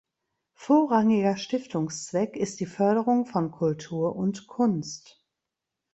Vorrangiger Stiftungszweck ist die Förderung von Kultur und Kunst.